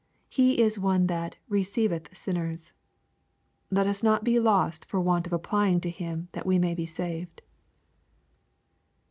He is One that " receiveth sinners." Let us not be lost for want of applying to Him that we may be saved.